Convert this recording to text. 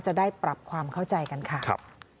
จะได้ปรับความเข้าใจกันค่ะ